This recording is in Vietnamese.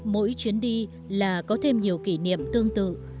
mỗi chuyến đi là có thêm nhiều kỷ niệm tương tự